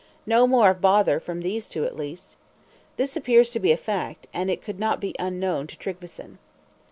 No more of bother from these two at least! This appears to be a fact; and it could not be unknown to Tryggveson.